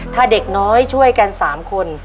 ถ้าเด็กน้อยช่วยกัน๓คน